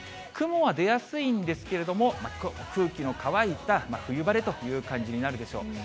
雲は出やすいんですけれども、空気の乾いた冬晴れという感じになるでしょう。